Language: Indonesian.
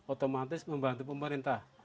otomatis membantu pemerintah